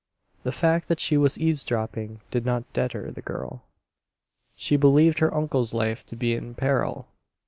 The fact that she was eavesdropping did not deter the girl. She believed her uncle's life to be in peril!